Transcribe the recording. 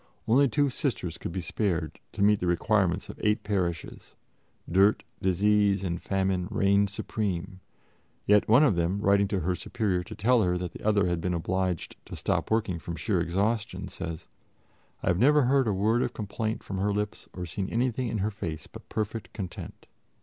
Only two Sisters could be spared to meet the requirements of eight parishes; dirt, disease and famine reigned supreme; yet one of them, writing to her Superior to tell her that the other had been obliged to stop working from sheer exhaustion, says: "I have never heard a word of complaint from her lips or seen anything in her face but perfect content."